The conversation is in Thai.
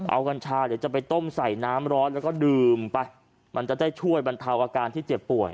เอากัญชาเดี๋ยวจะไปต้มใส่น้ำร้อนแล้วก็ดื่มไปมันจะได้ช่วยบรรเทาอาการที่เจ็บป่วย